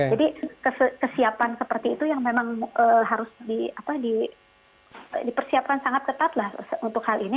jadi kesiapan seperti itu yang memang harus dipersiapkan sangat ketat untuk hal ini